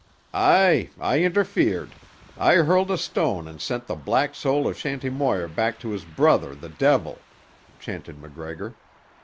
"Aye! I interfered. I hurled a stone and sent the black soul of Shanty Moir back to his brother the devil!" chanted MacGregor.